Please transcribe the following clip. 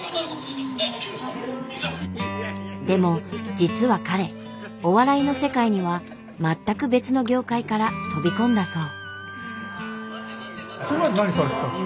でも実は彼お笑いの世界には全く別の業界から飛び込んだそう。